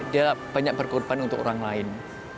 dia banyak berkorban untuk orang lain